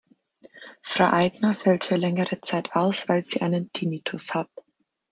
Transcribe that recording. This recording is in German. Frau Aigner fällt für längere Zeit aus, weil sie einen Tinnitus hat.